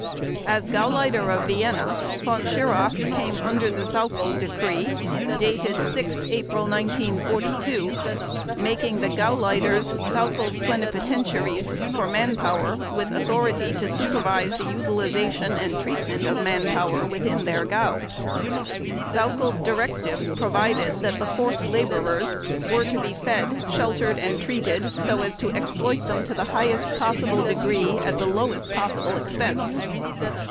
As Gauleiter of Vienna, Von Schirach came under the Sauckel decree, dated 6 April 1942, making the Gauleiters Sauckel's plenipotentiaries for manpower with authority to supervise the utilization and treatment of manpower within their Gaue. Sauckel's directives provided that the forced laborers were to be fed, sheltered, and treated so as to exploit them to the highest possible degree at the lowest possible expense.